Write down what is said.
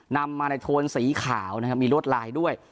นำมาในโทนสีขาวนะครับมีรวดลายด้วย